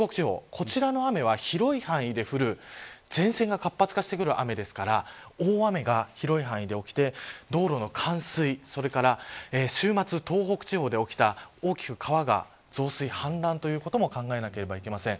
こちらの雨は広い範囲で降る前線が活発化してくる雨なので大雨が広い範囲で起きて道路の冠水それから週末に起きた大きく川が増水、氾濫ということも考えなければいけません。